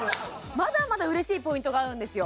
まだまだ嬉しいポイントがあるんですよ